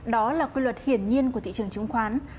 đó là quy luật hiển nhiên của thị trường chứng khoán